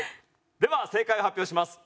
では正解を発表します。